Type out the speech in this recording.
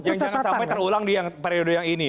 yang jangan sampai terulang di periode yang ini ya